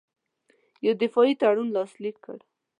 یو دفاعي تړون لاسلیک کړ.